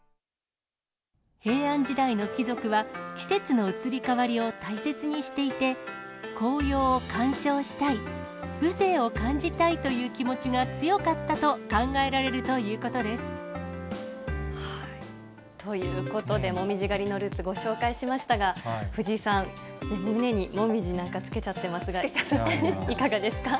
平安時代の貴族は、季節の移り変わりを大切にしていて、紅葉を観賞したい、風情を感じたいという気持ちが強かったと考えられるということでということで、紅葉狩りのルーツ、ご紹介しましたが、藤井さん、胸にモミジなんかつけちゃってますが、いかがですか。